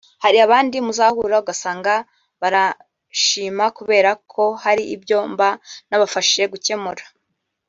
hari abandi muzahura ugasanga baranshima kubera ko hari ibyo mba nabafashije gukemura